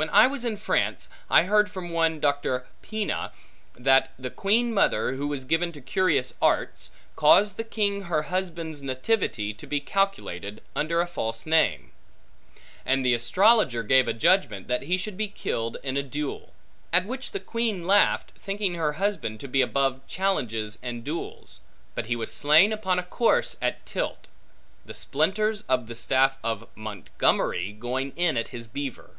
When I was in France, I heard from one Dr. Pena, that the Queen Mother, who was given to curious arts, caused the King her husband's nativity to be calculated, under a false name; and the astrologer gave a judgment, that he should be killed in a duel; at which the Queen laughed, thinking her husband to be above challenges and duels: but he was slain upon a course at tilt, the splinters of the staff of Montgomery going in at his beaver.